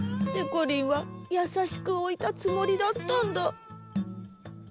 でこりんはやさしくおいたつもりだったんだ。